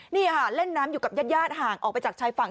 นี่ค่ะเล่นน้ำอยู่กับญาติห่างออกไปจากชายฝั่ง